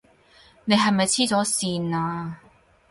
你係咪痴咗線呀？